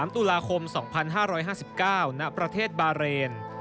๓ตุลาคม๒๕๕๙ณประเทศบาเรน